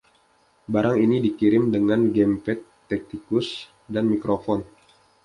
Barang ini dikirim dengan gamepad, tetikus, dan mikrofon.